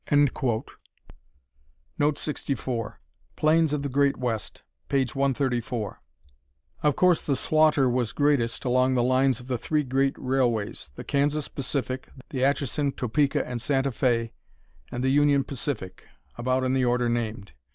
[Note 64: Plains of the Great West, p. 134.] Of course the slaughter was greatest along the lines of the three great railways the Kansas Pacific, the Atchison, Topeka and Santa Fé, and the Union Pacific, about in the order named.